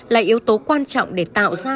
là yếu tố quan trọng để tạo ra sự đồng hành